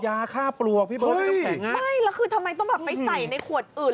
ไม่แล้วคือทำไมต้องแบบไปใส่ในขวดอื่น